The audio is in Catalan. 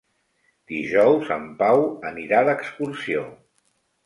Dijous en Pau anirà d'excursió.